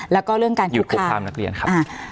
และก็เรื่องการคุกคา